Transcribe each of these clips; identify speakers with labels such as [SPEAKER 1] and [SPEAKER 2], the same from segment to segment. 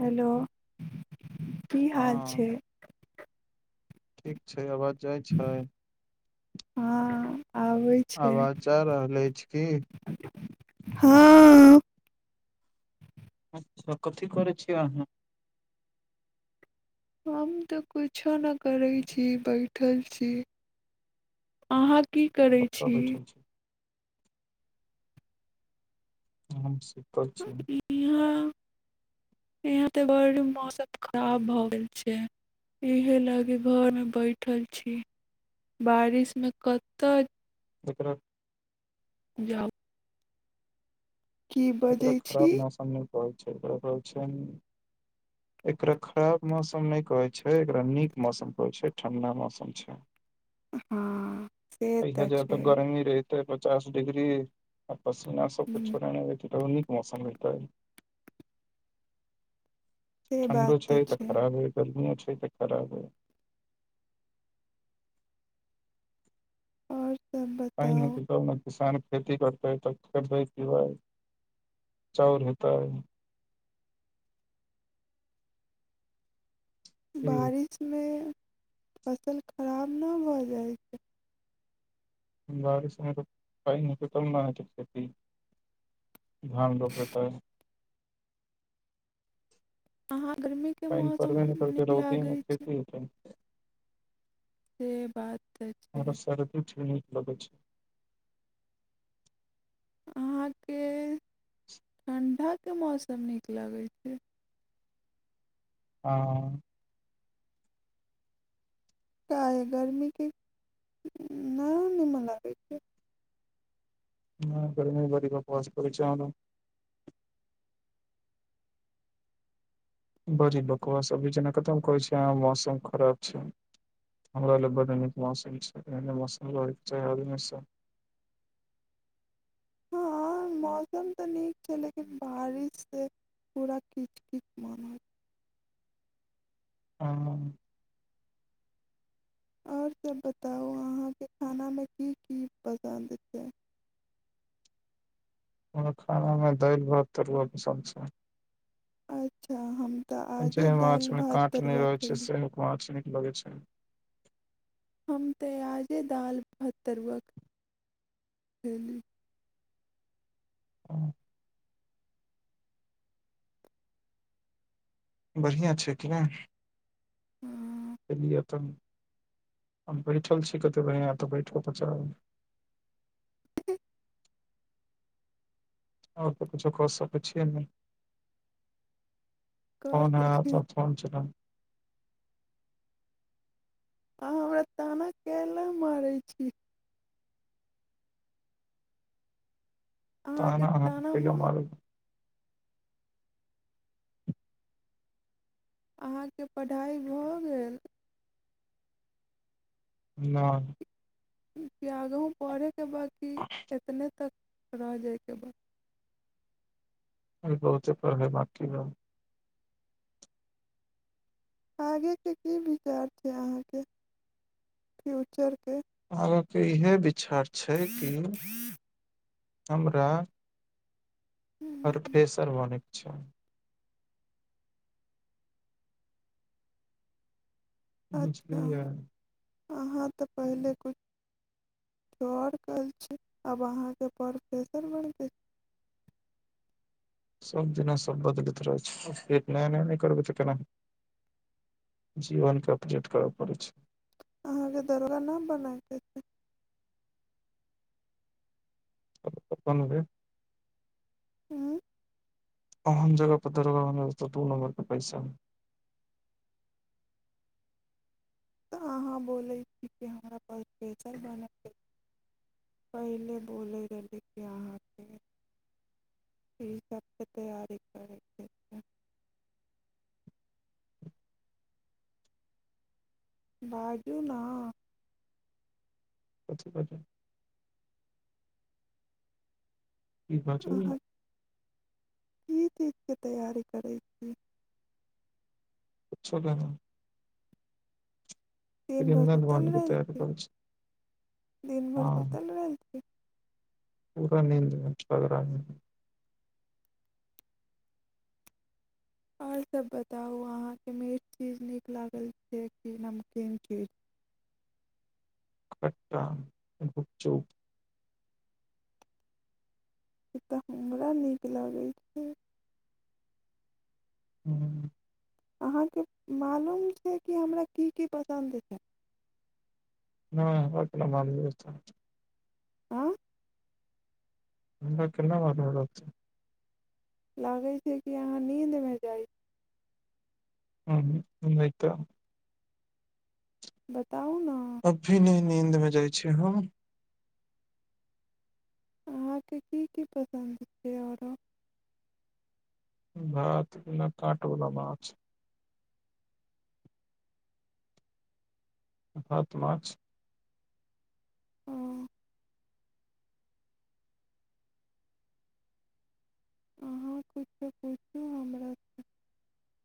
[SPEAKER 1] hello की हाल
[SPEAKER 2] हँ
[SPEAKER 1] छै
[SPEAKER 2] ठीक छै आवाज जाइ छै
[SPEAKER 1] हँ आबै छै
[SPEAKER 2] आवाज जा रहल अछि की
[SPEAKER 1] हँ
[SPEAKER 2] अच्छा कथी करै छियै अहाँ
[SPEAKER 1] हम तऽ कुछो नहि करै छी बैठल छी अहाँ की करै
[SPEAKER 2] कतऽ
[SPEAKER 1] छी
[SPEAKER 2] बैठल हम से
[SPEAKER 1] इ-इहाँ यहाँ ते बड्ड मौसम खराब भऽ गेल छै इहे लगी घरमे बैठल छी बारिश मे कतय
[SPEAKER 2] एकरा
[SPEAKER 1] जाउ की बजै
[SPEAKER 2] एकरा
[SPEAKER 1] छी
[SPEAKER 2] खराब मौसम नहि एकरा खराब मौसम नहि कहै छै एकरा नीक मौसम कहै छै ठण्डा मौसम छै
[SPEAKER 1] हँ से
[SPEAKER 2] इहा जाह
[SPEAKER 1] छै
[SPEAKER 2] तऽ गरमी रहैत तें पचास डग्री पसीना सबके
[SPEAKER 1] हुँ
[SPEAKER 2] छोड़ेने - नीक मौसम हैतय ठण्डो छै तऽ खराब हइ गर्मी छै इ त खराब अइ
[SPEAKER 1] आओर तऽब
[SPEAKER 2] पानि
[SPEAKER 1] बताउ
[SPEAKER 2] हेतै तब ने किसान खेती करतै तऽ खेबै पिबैै चाउर हेतै कि
[SPEAKER 1] बारिशमे फसल खराब न भऽ जाइ छै
[SPEAKER 2] बारिश मे त पैन हेतै तब ना अहाँ कें खेती खेती धान रोपैतय
[SPEAKER 1] अहाँ गर्मीके
[SPEAKER 2] पैइन
[SPEAKER 1] मौसम
[SPEAKER 2] पड़बे नहि करतै
[SPEAKER 1] नीक
[SPEAKER 2] रौदी
[SPEAKER 1] लागै
[SPEAKER 2] मे
[SPEAKER 1] छै
[SPEAKER 2] खेती हेतै
[SPEAKER 1] से बात तऽ छै
[SPEAKER 2] आर सर त [unintelligible] लगै छै
[SPEAKER 1] अहाँके ठण्डक के मौसम नीक लगै छै
[SPEAKER 2] हँ
[SPEAKER 1] चाहे गर्मीके [unintelligible] निमन लागै छै
[SPEAKER 2] हँ गर्मी बरी बकवास अहाँ लंग बरी बकवास अभी जना अहाँ कहै छियै मौसम खराब छै हमरा ला बड्ड नीक मौसम छै ऐहने मौसम रहै कें चाहि हर हमेशा
[SPEAKER 1] हँ मौसम तऽ नीक छै लेकिन बारिश से पूरा किच किच मन होइ
[SPEAKER 2] हँ
[SPEAKER 1] आओर सभ बताउ अहाँके खानामे कि की पसन्द छै
[SPEAKER 2] ओ खानामे दालि भात तरुआ पसन्द छै
[SPEAKER 1] अच्छा हम तऽ आजे
[SPEAKER 2] जे माछ
[SPEAKER 1] दालि भात तरुआ खयली
[SPEAKER 2] लगै छै
[SPEAKER 1] हम ते आजे दाल भत्तरवेली [unintelligible]
[SPEAKER 2] हँ बढ़िआँ छै कि नहि
[SPEAKER 1] हँ
[SPEAKER 2] ए लियै तऽ हम बैठल छी कतेक बढिआँ तऽ बैठो - आओर त कुछो क सकै छियै नहि
[SPEAKER 1] कऽ
[SPEAKER 2] फोन
[SPEAKER 1] सकै
[SPEAKER 2] आयत तऽ फोन छै
[SPEAKER 1] अहाँ हमरा ताना कैला मारै छी अहाँके
[SPEAKER 2] ताना अहाँ के कैला
[SPEAKER 1] मार
[SPEAKER 2] मारब
[SPEAKER 1] अहाँके पढ़ाइ भऽ गेल
[SPEAKER 2] नहि
[SPEAKER 1] त्याग प [unintelligible] बांकी एतने तक रह जायके बाद
[SPEAKER 2] आइ बहुते पहिले बांकी रहल
[SPEAKER 1] आगे के की विचार छै अहाँ के फ्यूचर के
[SPEAKER 2] आगाँ कें इहा वि - चार छै की हमरा प्रोफेसर बनै अच्छा
[SPEAKER 1] अच्छा
[SPEAKER 2] बुझलिए
[SPEAKER 1] अहाँ तऽ पहिले कुछो आर कहैय छै आब अहाँके प्रोफेसर बनबै
[SPEAKER 2] सभ दिना सभ बदलैत रहै छैे नया नया नहि करबै तऽ केना हेतै जीवनके अपडेट करय पड़ै छै
[SPEAKER 1] अहाँके दरोगा न बनायके अछि
[SPEAKER 2] नै [unintelligible]
[SPEAKER 1] हूँ
[SPEAKER 2] ओन जगह पे दरोगा बनबै जतह दू नंबर के पैसा होइ
[SPEAKER 1] तऽ अहाँ बोलै छी कि हमरा प्रोफेसर बनैके पहिले बोलै रहली कि अहाँके इ सभके तैयारी करैके बाजू ना
[SPEAKER 2] कथि बाजू की बाजू
[SPEAKER 1] अहाँ की चीजके तैयारी करै छी
[SPEAKER 2] कुछो नहि
[SPEAKER 1] दिन भरि सुतल
[SPEAKER 2] बने के
[SPEAKER 1] रहल
[SPEAKER 2] तैयारी
[SPEAKER 1] छी
[SPEAKER 2] करै छै
[SPEAKER 1] दिन भरि
[SPEAKER 2] हाँ
[SPEAKER 1] सुतल रहल छी
[SPEAKER 2] पूरा नीन्दमे सुतल रहलहूँ
[SPEAKER 1] आओर सभ बताउ अहाँके मे मिठ चीज नीक लागल कि नमकीन चीज
[SPEAKER 2] खट्टा आ घूपचुप
[SPEAKER 1] ई तऽ हमरा नीक लागै छै
[SPEAKER 2] हूँ
[SPEAKER 1] अहाँके मालूम छै कि हमरा कि की पसन्द छै
[SPEAKER 2] नै हमरा कैला मालूम
[SPEAKER 1] आँ
[SPEAKER 2] हमरा केना मालूम
[SPEAKER 1] लागै छै कि अहाँ नीन्दमे जाइ छी
[SPEAKER 2] हूँ नै त
[SPEAKER 1] बताउ ने
[SPEAKER 2] अभी नहि नीन्दमे जाइ छी हम
[SPEAKER 1] अहाँके कि की पसन्द छै आरो
[SPEAKER 2] भात विना काँट वला माछ सात मार्च
[SPEAKER 1] अहाँ किछु पूछु हमरा सँ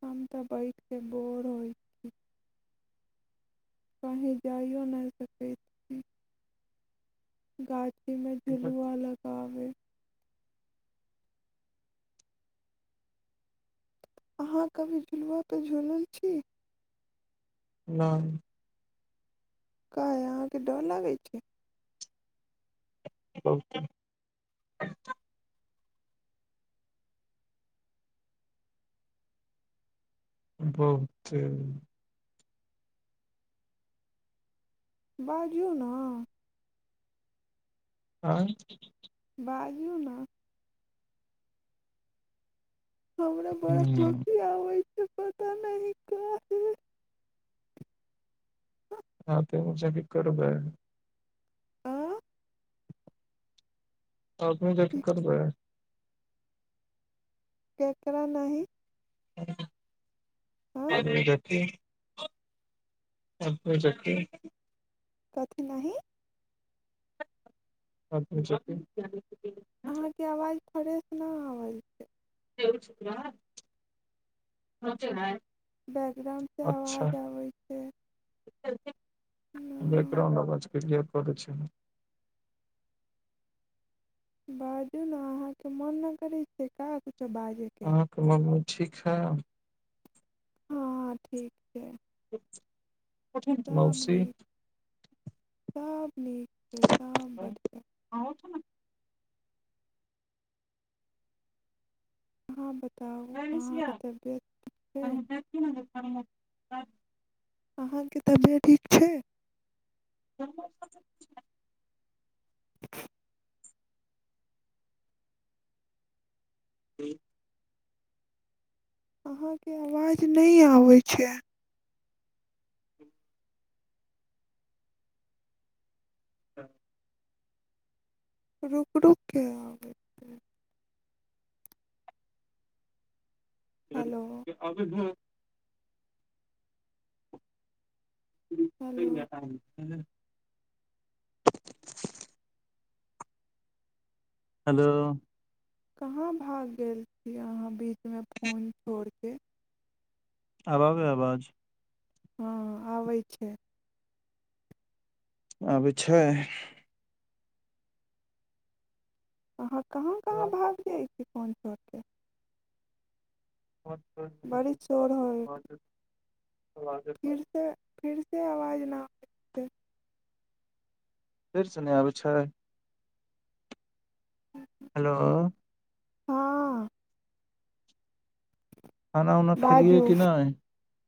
[SPEAKER 1] हम तऽ बैठ के बोर होइ छी कही जाइो नहि सकै छी गाछ जैमे झुलूआ लगाबै अहाँ कभी झुलापर झुलल छी
[SPEAKER 2] नै
[SPEAKER 1] काहे अहाँके डर लागै छै
[SPEAKER 2] बहुते बहुते
[SPEAKER 1] बाजियौ ने
[SPEAKER 2] आँय
[SPEAKER 1] बाजू ने हमरा बड़ा
[SPEAKER 2] हम्म,
[SPEAKER 1] हाँसी आबै छै पता नहि काहे
[SPEAKER 2] हँ त मु छै क करबै [unintelligible]
[SPEAKER 1] आ
[SPEAKER 2] आदमी जंका करबै
[SPEAKER 1] केकरा नहि
[SPEAKER 2] हूँ
[SPEAKER 1] आ
[SPEAKER 2] [unintelligible] अपने ची [unintelligible]
[SPEAKER 1] कथी नहि
[SPEAKER 2] अच्छा अच्छा [unintelligible]
[SPEAKER 1] अहाँके आवाज फ्रेश नहि आबै छै
[SPEAKER 2] जे छुक च ह [unintelligible]
[SPEAKER 1] बैकग्राउणडसँ आवाज आबै छै
[SPEAKER 2] चलत [unintelligible] देख
[SPEAKER 1] न
[SPEAKER 2] रह ब [unintelligible] पक छ [unintelligible]
[SPEAKER 1] बाजू ने अहाँके मोन नहि करै छै आज
[SPEAKER 2] अहाँ कें मन मे ठीक छअ
[SPEAKER 1] हँ ठीक छीयै
[SPEAKER 2] [unintelligible] मौसी
[SPEAKER 1] नीक सब नीक सब अहाँ बत
[SPEAKER 2] य
[SPEAKER 1] छै
[SPEAKER 2] [unintelligible] ह [unintelligible]
[SPEAKER 1] अहाँके तबियत ठीक छै
[SPEAKER 2] ह्म [unintelligible]
[SPEAKER 1] [unintelligible]
[SPEAKER 2] हूँ
[SPEAKER 1] अहाँके आवाज नहि आबै छै
[SPEAKER 2] त [unintelligible]
[SPEAKER 1] रुक रूक के आबय
[SPEAKER 2] तर
[SPEAKER 1] हेलो
[SPEAKER 2] अैभव [unintelligible]
[SPEAKER 1] हेलो
[SPEAKER 2] टा [unintelligible] हेलो
[SPEAKER 1] कहाँ भाग गेल छी अहाँ बीचमे फोन छोड़ि कऽ
[SPEAKER 2] आब आबैया आवाज
[SPEAKER 1] हँ आबै छै
[SPEAKER 2] आबै छै
[SPEAKER 1] ओ [unintelligible] कहाँ कहाँ भाग जाय फोन छोड़ कें बड़ी शोर होइ फिर सें फिर से आवाज ना आबै छै
[SPEAKER 2] फेरसँ नहि आबै छै हेलो
[SPEAKER 1] हँ
[SPEAKER 2] खाना उना खेलियै
[SPEAKER 1] बाजू
[SPEAKER 2] कि नहि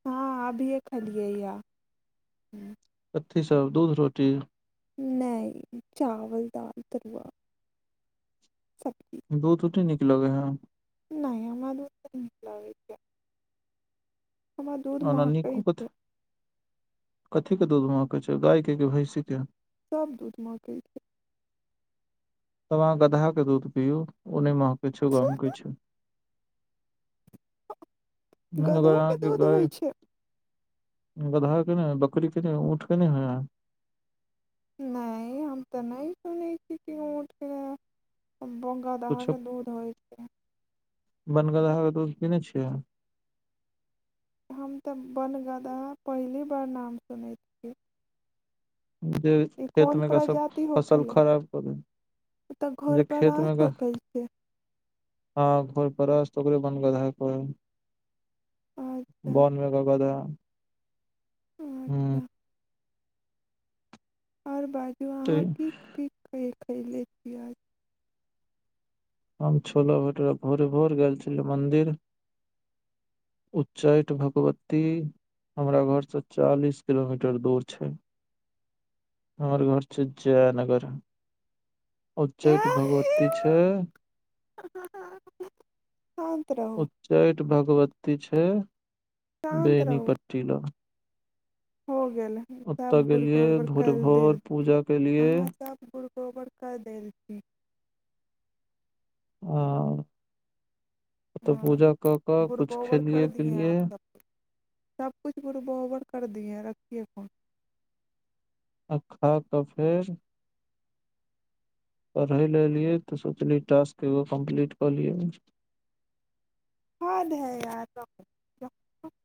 [SPEAKER 1] हँ अभीए खलिय या
[SPEAKER 2] कथि सब दूध रोटी
[SPEAKER 1] नहि चावल दाल तरुआ सब्जी
[SPEAKER 2] दूध रोटी नीक लगै हें
[SPEAKER 1] नहि हमरा दूध नहि नीक लागै छै हमरा दूध
[SPEAKER 2] ओना
[SPEAKER 1] मंहकै
[SPEAKER 2] नीको कथी
[SPEAKER 1] छै
[SPEAKER 2] कथी के दूध महकै छै गायके कि भैंसी के
[SPEAKER 1] सब दूध मंहकै छै
[SPEAKER 2] तब अहाँ गदहा के दूध पिबू ओ नहि मंहक किछु
[SPEAKER 1] छै
[SPEAKER 2] गम किछु [unintelligible] ने अगर
[SPEAKER 1] गदहो के
[SPEAKER 2] आहाँके
[SPEAKER 1] दूध
[SPEAKER 2] गाय
[SPEAKER 1] होइ छै
[SPEAKER 2] गधा के नहि बकरी के नहि ऊँठ के नहि होइ हें
[SPEAKER 1] नहि हम तऽ नहि सुनने छी की ऊँट कें गधा कें दूध होइ छै
[SPEAKER 2] वनगदहा कें दूध पीने छियै
[SPEAKER 1] हम तऽ वनगदहा पहिली बार नाम सुनै छियै
[SPEAKER 2] जे खेत मेका सब
[SPEAKER 1] प्रजाति
[SPEAKER 2] फसल
[SPEAKER 1] होखलै
[SPEAKER 2] खराब करै
[SPEAKER 1] तऽ घर
[SPEAKER 2] जे
[SPEAKER 1] पर
[SPEAKER 2] खेत
[SPEAKER 1] रास
[SPEAKER 2] मेका
[SPEAKER 1] होखै छै
[SPEAKER 2] हाँ परस्त ओकरे वनगदहा कहै
[SPEAKER 1] अच्छा
[SPEAKER 2] बन मेका गदहा
[SPEAKER 1] अच्छा
[SPEAKER 2] हूँ
[SPEAKER 1] आओर बाजू
[SPEAKER 2] तऽ
[SPEAKER 1] खले छियियज [unintelligible]
[SPEAKER 2] हम छोला भटॉरा भोरे भोर गेल छलहुँ मन्दिर उच्चैठ भगवती हमरा घरसँ चालीस किलोमीटर दूर छै हमर घर छै जयनगर उच्चैठ भगवती छै
[SPEAKER 1] शान्त रहू
[SPEAKER 2] उच्चैठ भगवती ति छै बेैनीपट्टी लंग
[SPEAKER 1] ह [unintelligible] ह
[SPEAKER 2] ओता
[SPEAKER 1] सब गुरु
[SPEAKER 2] गेलिये
[SPEAKER 1] केरर
[SPEAKER 2] भोरे
[SPEAKER 1] कल देल
[SPEAKER 2] भोर
[SPEAKER 1] छी
[SPEAKER 2] पूजा केलिये
[SPEAKER 1] अहााँ सब ग [unintelligible] कोबर क देल छी [unintelligible]
[SPEAKER 2] ओ
[SPEAKER 1] [inaudible] हँ गुड़ गोबर कर
[SPEAKER 2] खेलिये
[SPEAKER 1] दिएै
[SPEAKER 2] पिलिये
[SPEAKER 1] आप सबकछ सबकुछ गुड़ गोबर कर दिए र [inaudible] देख फन [unintelligible]
[SPEAKER 2] आ खा कऽ फेर पढ़ई ला एलियअ तो सोचली टास्क एगो कम्प्लीट कऽ लियए
[SPEAKER 1] हद हइ यार